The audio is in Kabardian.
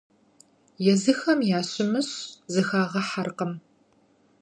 Езыхэм ящымыщ зыхагъэхьэркъым.